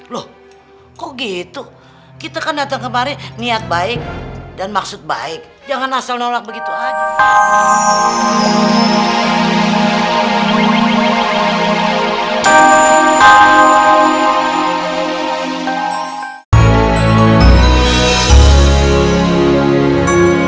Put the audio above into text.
loh kok gitu kita kan dateng kemari niat baik dan maksud baik jangan asal nolak begitu aja